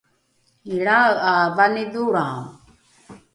ilrae ’a vanidholrao